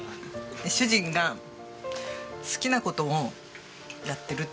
主人が好きな事をやってる。